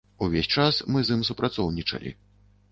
Увесь час мы з ім супрацоўнічалі.